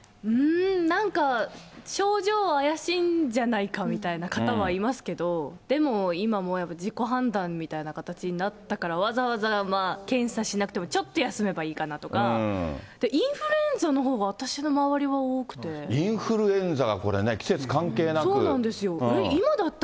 なんか症状怪しいんじゃないかみたいな方はいますけど、でも今、もうやっぱ自己判断みたいな形になったから、わざわざまあ、検査しなくても、ちょっと休めばいいかなとか、インフルエンザのほうが私の周りはインフルエンザがこれね、季そうなんですよ、え？